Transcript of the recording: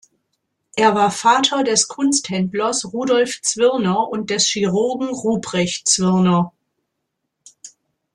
Er war Vater des Kunsthändlers Rudolf Zwirner und des Chirurgen Ruprecht Zwirner.